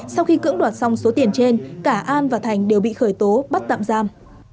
sau khi cưỡng đoạt xong số tiền trên cả an và thành đều bị khởi tố bắt tạm giam